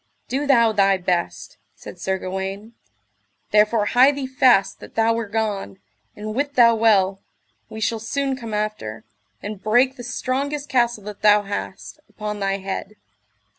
Do thou thy best, said Sir Gawaine; therefore hie thee fast that thou were gone, and wit thou well we shall soon come after, and break the strongest castle that thou hast, upon thy head.